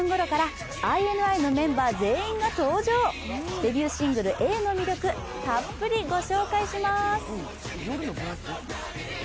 デビューシングル「Ａ」の魅力たっぷり御紹介します。